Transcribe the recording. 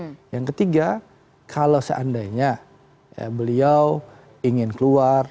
nah yang ketiga kalau seandainya beliau ingin keluar